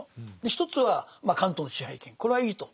一つは関東の支配権これはいいと。